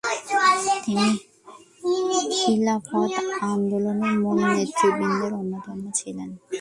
তিনি খিলাফত আন্দোলনের মূল নেতৃবৃন্দের অন্যতম ছিলেন।